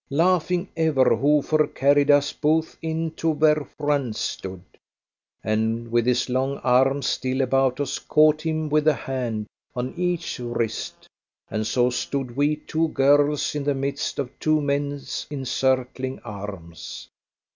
Laughing ever, Hofer carried us both in to where Franz stood, and with his long arms still about us caught him with a hand on each wrist, and so stood we, two girls in the midst of two men's encircling arms.